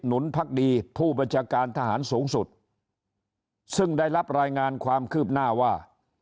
นุนพักดีผู้บัญชาการทหารสูงสุดซึ่งได้รับรายงานความคืบหน้าว่า